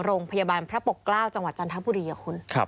โรงพยาบาลพระปกเกล้าจังหวัดจันทบุรีคุณ